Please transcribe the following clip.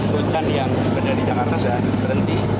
bocan yang berada di jakarta sudah berhenti